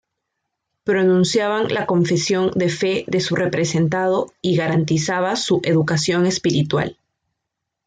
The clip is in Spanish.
Pronunciaban la confesión de fe de su representado y garantizaba su educación espiritual.